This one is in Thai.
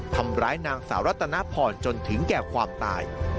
ทำร้ายนางสาวรัตนพรจนถึงแก่ความตาย